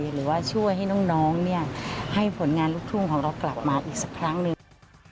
หรือว่าช่วยให้น้องให้ผลงานลูกทุ่งของเรากลับมาอีกสักครั้งหนึ่ง